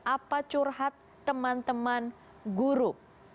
apa curhat teman teman guru